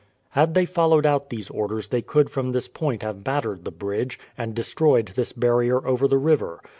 Had they followed out these orders they could from this point have battered the bridge, and destroyed this barrier over the river.